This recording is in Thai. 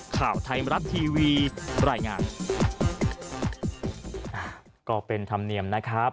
ก็เป็นธรรมเนียมนะครับ